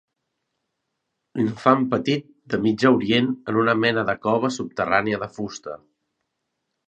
Infant petit de Mitjà Orient en una mena de cova subterrània de fusta.